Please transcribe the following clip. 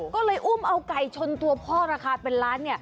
ก็เลยอุ้มเอาไก่ชนตัวพ่อราคาเป็นล้าน